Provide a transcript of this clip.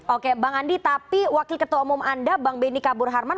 oke bang andi tapi wakil ketua umum anda bang benny kabur harman